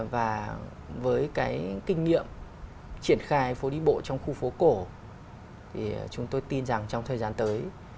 và với cái kinh nghiệm triển khai phố đi bộ trong khu phố cổ thì chúng tôi tin rằng trong thời gian tới